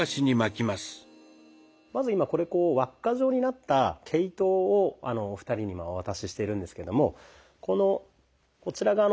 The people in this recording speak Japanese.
まず今これ輪っか状になった毛糸をお二人にお渡ししてるんですけどもこのこちら側の方ですね